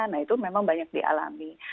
nah itu memang banyak dialami